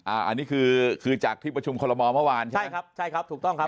อันนี้คือจากที่ประชุมคนละมอเมื่อวานใช่ไหมใช่ครับถูกต้องครับ